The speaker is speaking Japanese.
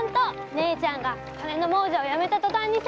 姉ちゃんが金の亡者をやめた途端にさ！